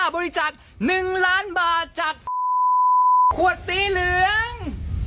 บริจักษ์หนึ่งล้านบาทจากขวดตีเหลือง